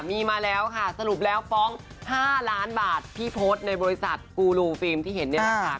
มีมาแล้วค่ะสรุปแล้วฟ้อง๕ล้านบาทพี่โพสต์ในบริษัทกูรูฟิล์มที่เห็นนี่แหละค่ะ